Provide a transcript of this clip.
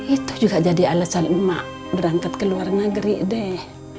itu juga jadi alasan emak berangkat keluar negeri deh